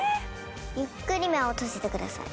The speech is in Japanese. ゆっくり目を閉じてください。